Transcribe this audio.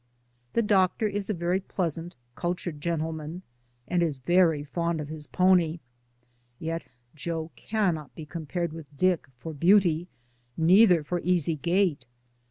The doctor is a very pleas ant, cultured gentleman, and is very fond of his pony, yet Joe cannot be compared with Dick for beauty, neither for easy gait.